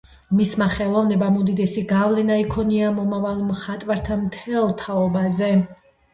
მისმა ხელოვნებამ უდიდესი გავლენა იქონია მომავალ მხატვართა მთელ თაობაზე.